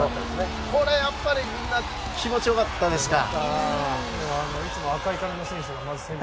これはやっぱりみんな気持ちよかったですかね。